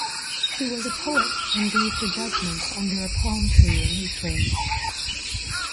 She was a poet and gave her judgments under a palm tree in Ephraim.